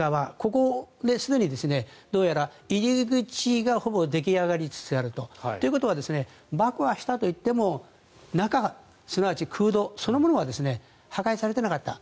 ここですでにどうやら入り口がほぼ出来上がりつつあると。ということは爆破したといっても中、すなわち空洞そのものは破壊されていなかった。